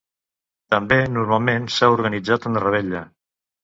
També normalment s'ha organitzat una revetlla.